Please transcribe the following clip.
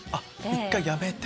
１回やめて。